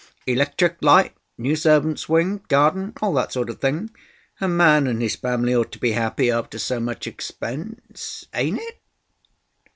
Electric light, new servants' wing, garden—all that sort of thing. A man and his family ought to be happy after so much expense, ain't it?"